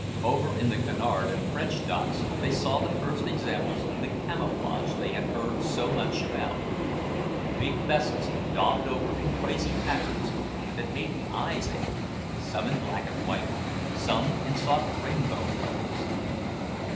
Over in the Canard and French docks they saw the first examples of the "camouflage" they had heard so much about; big vessels daubed over in crazy patterns that made the eyes ache, some in black and white, some in soft rainbow colours.